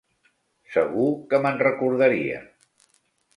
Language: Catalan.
Segur que me'n recordaria.